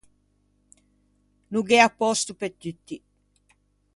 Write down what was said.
No gh’ea pòsto pe tutti.